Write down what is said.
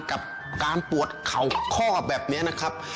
กับการปวดเข่าข้อแบบนี้นะครับ